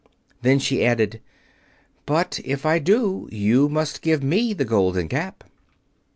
Then she added, "But, if I do, you must give me the Golden Cap."